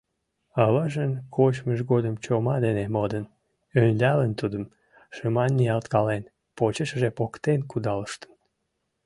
Аважын кочмыж годым чома дене модын, ӧндалын тудым, шыман ниялткален, почешыже поктен кудалыштын.